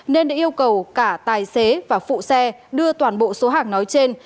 nên đã yêu cầu cả tài xế và phụ xe đưa toàn bộ số hàng nói trên